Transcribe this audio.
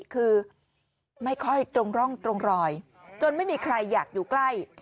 คือไม่ค่อยตรงร่องตรงรอยจนไม่มีใครอยากอยู่ใกล้